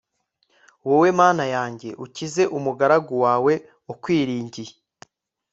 wowe mana yanjye, ukize umugaragu wawe ukwiringiye